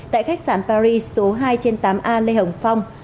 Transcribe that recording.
tại khách sạn paris số hai trên tám a lê hồng phong